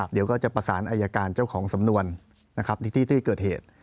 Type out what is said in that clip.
เดี๋ยวก็จะประสานอายการเจ้าของสำนวนนะครับที่ที่เกิดเหตุ